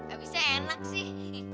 abisnya enak sih